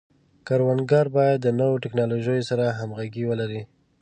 کروندګري باید د نوو ټکنالوژیو سره همغږي ولري.